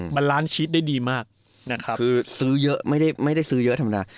มันล้านชีสได้ดีมากนะครับคือซื้อเยอะไม่ได้ซื้อเยอะธรรมดา